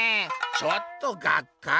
ちょっとがっかり」。